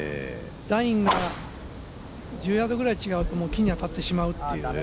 ラインが１０ヤードくらい違うと、木に当たってしまう。